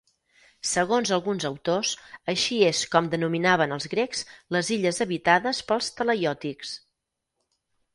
Segons alguns autors, així és com denominaven els grecs les illes habitades pels talaiòtics.